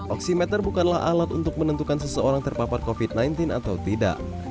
oksimeter bukanlah alat untuk menentukan seseorang terpapar covid sembilan belas atau tidak